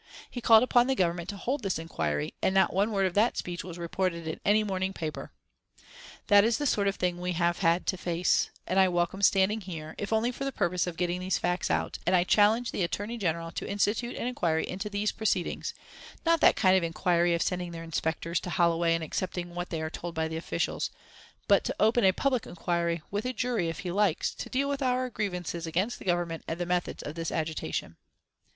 He called upon the Government to hold this inquiry, and not one word of that speech was reported in any morning paper. That is the sort of thing we have had to face, and I welcome standing here, if only for the purpose of getting these facts out, and I challenge the Attorney General to institute an inquiry into these proceedings not that kind of inquiry of sending their inspectors to Holloway and accepting what they are told by the officials but to open a public inquiry, with a jury, if he likes, to deal with our grievances against the Government and the methods of this agitation.